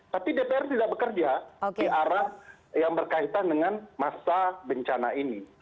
tapi dpr tidak bekerja di arah yang berkaitan dengan masa bencana ini